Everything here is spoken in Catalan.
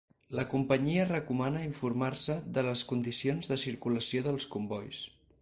La companyia recomana informar-se de les condicions de circulació dels combois.